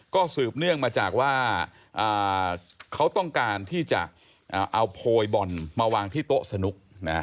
ก็สืบเนื่องมาจากว่าเขาต้องการที่จะเอาโพยบอลมาวางที่โต๊ะสนุก